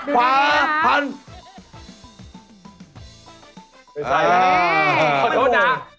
ขวาหันดูตรงนี้ครับ